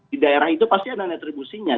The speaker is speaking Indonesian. di daerah itu pasti ada retribusinya